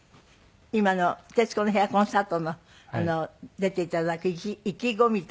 今の「徹子の部屋」コンサートの出て頂く意気込みとかあります？